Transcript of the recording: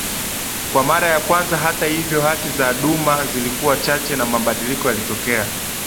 kwa mara ya kwanza Hata hivyo haki za duma zilikuwa chache na mabadiliko yalitokea